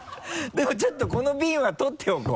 でもちょっとこのビンは取っておこう！